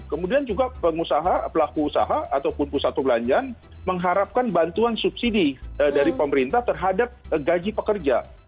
kemudian juga pengusaha pelaku usaha ataupun pusat perbelanjaan mengharapkan bantuan subsidi dari pemerintah terhadap gaji pekerja